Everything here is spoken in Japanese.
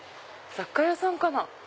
雑貨屋さんかな？